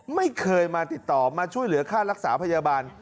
ไม่เคยมาติดต่อมาช่วยเหลือค่ารักษาพยาบาล